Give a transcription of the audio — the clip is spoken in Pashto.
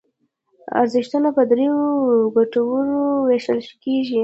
ارزښتونه په دریو کټګوریو ویشل کېږي.